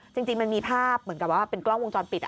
จริงมันมีภาพเหมือนกับว่าเป็นกล้องวงจรปิด